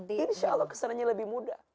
insya allah kesananya lebih mudah